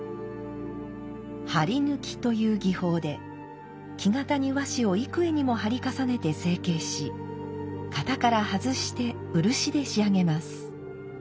張抜という技法で木型に和紙を幾重にも貼り重ねて成形し型から外して漆で仕上げます。